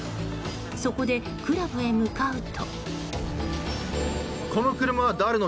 そこでクラブへ向かうと。